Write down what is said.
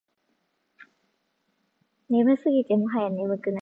眠すぎてもはや眠くない